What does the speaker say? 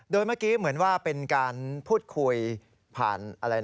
โดยเมื่อกี้เหมือนว่าเป็นการพูดคุยผ่านอะไรนะ